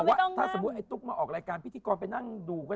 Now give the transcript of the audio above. ครั้งนี้งั้นสมมติไทยมันมาออกรายการพี่ธีกรไปนั่งดูก็ได้